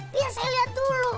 biar saya lihat dulu